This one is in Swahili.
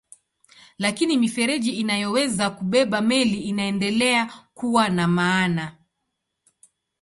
Lakini mifereji inayoweza kubeba meli inaendelea kuwa na maana.